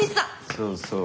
そうそう。